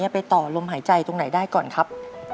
ไปต่อลมหายใจตรงไหนได้ก่อนครับ